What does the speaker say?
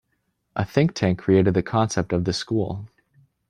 A think tank created the concept of the school.